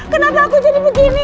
kenapa aku jadi begini